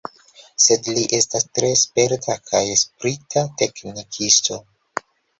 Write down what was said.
Sed li estas tre sperta kaj sprita teknikisto.